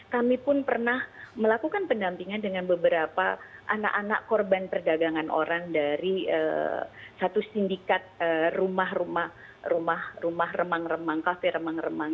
kami pun pernah melakukan pendampingan dengan beberapa anak anak korban perdagangan orang dari satu sindikat rumah rumah remang remang kafe remang remang